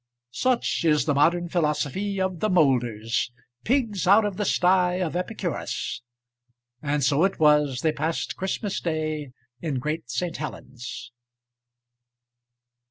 Such is the modern philosophy of the Moulders, pigs out of the sty of Epicurus. And so it was they passed Christmas day in Great St. Helens.